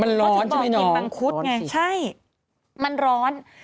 มันร้อนใช่ไหมน้องเขาจะบอกกินมังคุตไง